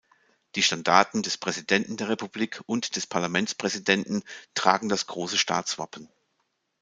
Die Standarten des Präsidenten der Republik und des Parlamentspräsidenten tragen das große Staatswappen.